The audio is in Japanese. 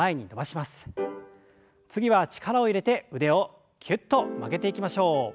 次は力を入れて腕をきゅっと曲げていきましょう。